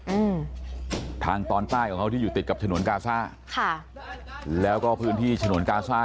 อืมทางตอนใต้ของเขาที่อยู่ติดกับฉนวนกาซ่าค่ะแล้วก็พื้นที่ฉนวนกาซ่า